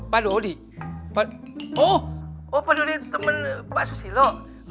pak dodi pak oh pak dodi temen pak susilo